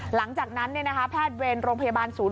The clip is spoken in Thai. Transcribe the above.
หลังจากนั้นเนี่ยนะคะพระอาทเวรโรงพยาบาลศูนย์